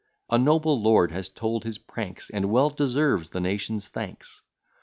A noble lord has told his pranks, And well deserves the nation's thanks.